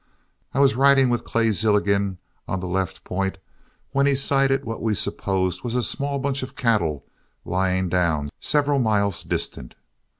I was riding with Clay Zilligan on the left point, when he sighted what we supposed was a small bunch of cattle lying down several miles distant.